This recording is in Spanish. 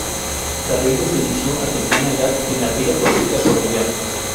Carrillo se inició a temprana edad en la vida política colombiana.